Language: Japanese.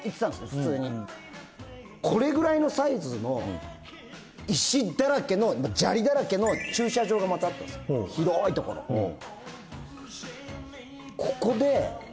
普通にこれぐらいのサイズの石だらけの砂利だらけの駐車場がまたあったんです広いところはあわあ